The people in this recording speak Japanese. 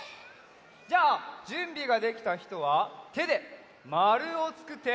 じゃあじゅんびができたひとはてでまるをつくって！